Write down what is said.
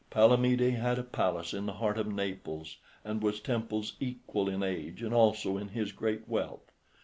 Palamede had a palace in the heart of Naples, and was Temple's equal in age and also in his great wealth.